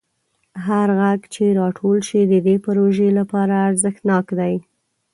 هر غږ چې راټول شي د دې پروژې لپاره ارزښتناک دی.